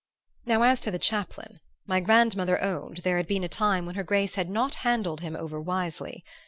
Now as to the chaplain, my grandmother owned there had been a time when her grace had not handled him over wisely.